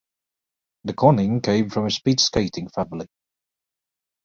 De Koning came from a speed skating family.